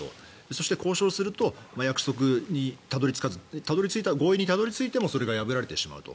そして交渉すると約束にたどり着かず合意にたどり着いてもそれが破られてしまうと。